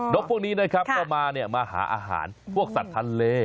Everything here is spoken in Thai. พวกนี้นะครับก็มาหาอาหารพวกสัตว์ทะเล